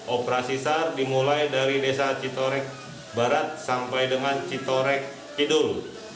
operasi sar dimulai dari desa citorek barat sampai dengan citorek kidul